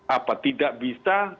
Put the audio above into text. apa tidak bisa